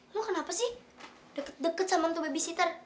lu kenapa sih deket deket sama untuk babysitter